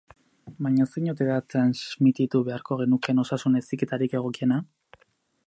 Baina, zein ote da transmititu beharko genukeen osasun heziketarik egokiena?